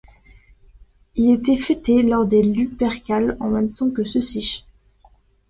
Il était fété lors des Lupercales en même temps que ceux-ci.